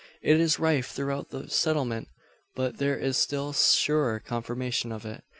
It is rife throughout the settlement. But there is still surer confirmation of it.